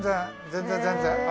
全然全然。